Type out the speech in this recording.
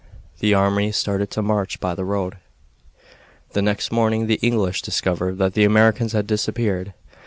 The army started to march by the road. The next morning the English discovered that the Americans had disappeared.